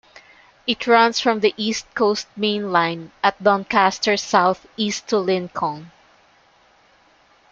It runs from the East Coast Main Line at Doncaster south east to Lincoln.